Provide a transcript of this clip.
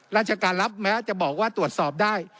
ราชการรับแม้จะบอกว่าตรวจสอบได้